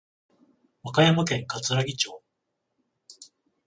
和歌山県かつらぎ町